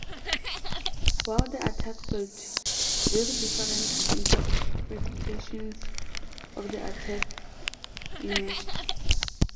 While the attack failed, very different interpretations of the attack emerged.